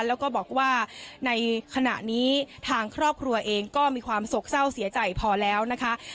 แล้วก็บอกว่าในขณะนี้ทางครอบครัวเองก็มีความโศกเศร้าเสียใจพอแล้วนะคะ